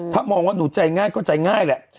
ถ้ามองว่าหนูใจง่ายก็ใจง่ายแหละ